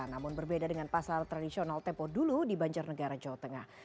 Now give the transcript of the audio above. namun berbeda dengan pasar tradisional tempo dulu di banjarnegara jawa tengah